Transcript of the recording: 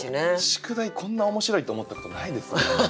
宿題こんな面白いって思ったことないですもん。